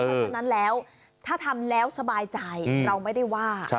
เพราะฉะนั้นแล้วถ้าทำแล้วสบายใจเราไม่ได้ว่า